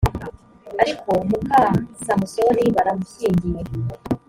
ariko muka samusoni baramushyingiye